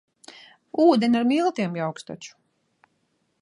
Ūdeni ar miltiem jauks taču.